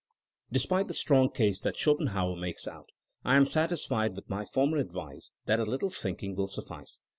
'^* Despite the strong case that Schopenhauer makes out, I am satisfied with my former advice — that a little thinking will suffice.